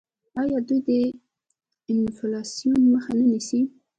آیا دوی د انفلاسیون مخه نه نیسي؟